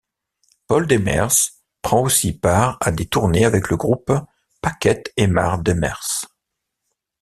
Paul Demers prend aussi part à des tournées avec le groupe Paquette-Aymar-Demers.